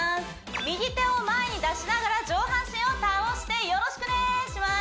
右手を前に出しながら上半身を倒してよろしくねします